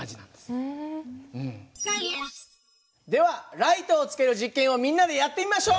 ではライトをつける実験をみんなでやってみましょう！